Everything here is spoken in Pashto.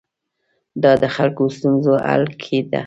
دا د خلکو ستونزو حل کې ده.